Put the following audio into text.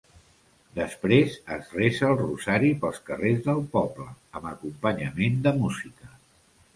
Després es resa el Rosari pels carrers del poble, amb acompanyament de música.